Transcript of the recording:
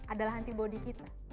adalah antibody kita